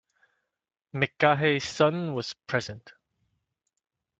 McGahey's son was present.